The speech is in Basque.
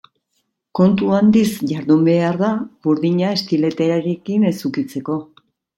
Kontu handiz jardun behar da burdina estiletearekin ez ukitzeko.